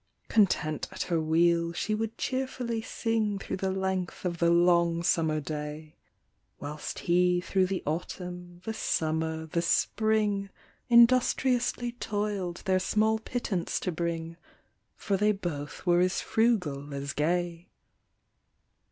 Content at her wheel she would cheerfully sing Thro' the length of the long summer day ; Whilst he thro' the autumn, the summer, the spring, Industriously toil'd their small pittance to bring, For they both were as frugal as gay.